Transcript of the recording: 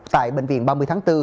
tại bệnh viện ba mươi tháng bốn